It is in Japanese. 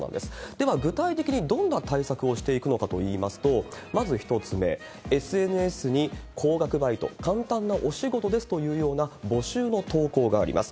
では、具体的にどんな対策をしていくのかといいますと、まず１つ目、ＳＮＳに高額バイト、簡単なお仕事ですというような募集の投稿があります。